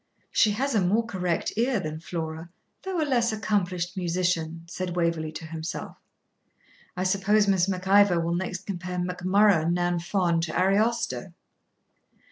"She has a more correct ear than Flora, though a less accomplished musician," said Waverley to himself. 'I suppose Miss Mac Ivor will next compare Mac Murrough nan Fonn to Ariosto!'